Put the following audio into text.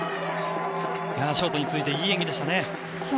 ショートに続いていい演技でしたね。